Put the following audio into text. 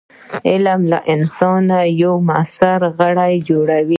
علم له انسانه یو موثر غړی جوړوي.